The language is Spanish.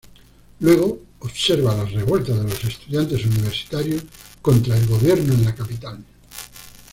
Luego, observa las revueltas de los estudiantes universitarios contra el gobierno en la capital.